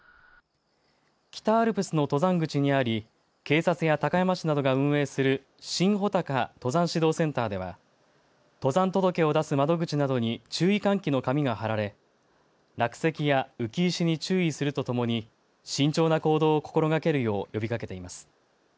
北アルプスの登山口にあり警察や高山市などが運営する新穂高登山指導センターでは登山届を出す窓口などに注意喚起の紙が貼られ落石や浮き石に注意するとともに慎重な行動を心がけるよう呼びかけています。